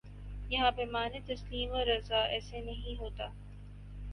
یہاں پیمان تسلیم و رضا ایسے نہیں ہوتا